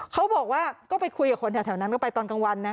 เขาบอกว่าก็ไปคุยกับคนแถวนั้นก็ไปตอนกลางวันนะ